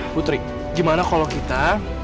putri gimana kalau kita